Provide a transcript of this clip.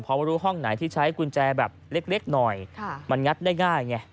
พอไม่รู้ห้องไหนที่ใช้กุญแจแบบเล็กหน่อยมันงัดได้ง่ายไง